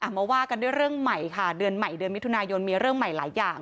มาว่ากันด้วยเรื่องใหม่ค่ะเดือนใหม่เดือนมิถุนายนมีเรื่องใหม่หลายอย่าง